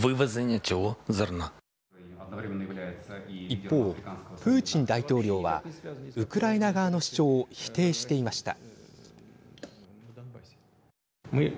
一方、プーチン大統領はウクライナ側の主張を否定していました。